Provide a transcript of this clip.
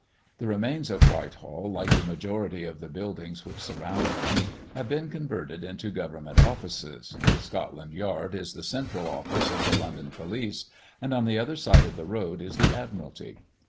The remains of Whitehall, like the majority of the buildings which surround them, have been converted into Government offices. Scotland Yard is the central office of the London police, and on the other side of the road is the Admiralty.